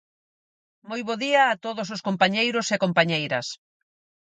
Moi bo día a todos os compañeiros e compañeiras.